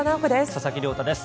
佐々木亮太です。